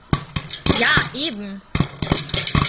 Ja, eben.